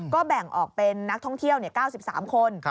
ก็แบ่งออกเป็นนักท่องเที่ยว๙๓คน